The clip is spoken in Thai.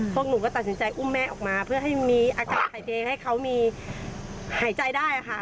พวกหนูก็ตัดสินใจอุ้มแม่ออกมาเพื่อให้มีอากาศหายใจให้เขามีหายใจได้ค่ะ